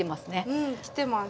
うんきてます。